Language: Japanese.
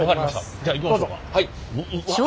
じゃあ行きましょか。